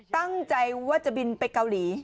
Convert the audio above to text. ตั้งใจว่าจะบินไปเกาหลี